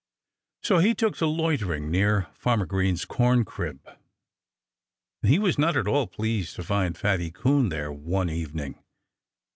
So he took to loitering near Farmer Green's corncrib. And he was not at all pleased to find Fatty Coon there one evening.